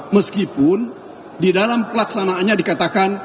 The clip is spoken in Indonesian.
meskipun di dalam pelaksanaannya dikatakan